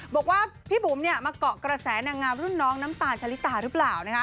บอกว่าพี่บุ๋มมาเกาะกระแสนางงามรุ่นน้องน้ำตาลชะลิตาหรือเปล่า